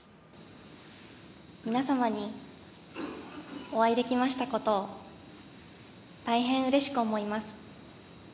皆様にお会いできましたことを大変うれしく思います。